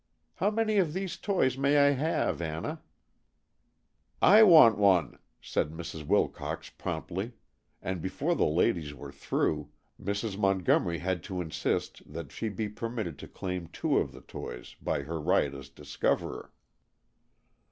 How many of these toys may I have, Anna?" "I want one!" said Mrs. Wilcox promptly, and before the ladies were through, Mrs. Montgomery had to insist that she be permitted to claim two of the toys by her right as discoverer.